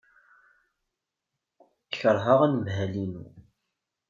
Keṛheɣ anemhal-inu.